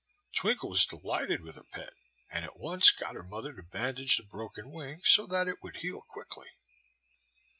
Twinkle was delighted with her pet, and at once got her mother to bandage the broken wing, so that it would heal quickly.